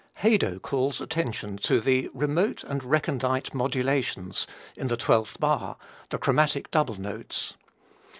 Hadow calls attention to the "remote and recondite modulations" in the twelfth bar, the chromatic double notes.